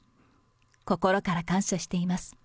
心から感謝しています。